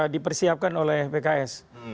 dipersiapkan oleh pks